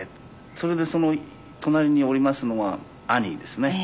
それでその隣におりますのは兄ですね。